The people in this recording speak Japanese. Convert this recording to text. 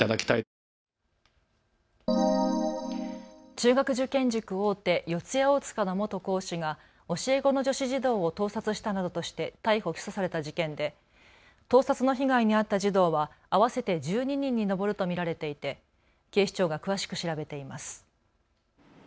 中学受験塾大手、四谷大塚の元講師が教え子の女子児童を盗撮したなどとして逮捕・起訴された事件で盗撮の被害に遭った児童は合わせて１２人に上ると見られていて警視庁が詳しく調べています。